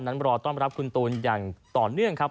รอต้อนรับคุณตูนอย่างต่อเนื่องครับ